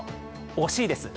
惜しいです。